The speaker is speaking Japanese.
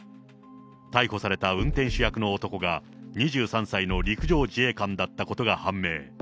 逮捕された運転手役の男が、２３歳の陸上自衛官だったことが判明。